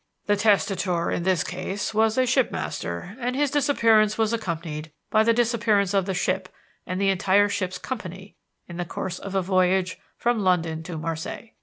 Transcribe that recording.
"The testator in this case was a shipmaster, and his disappearance was accompanied by the disappearance of the ship and the entire ship's company in the course of a voyage from London to Marseilles.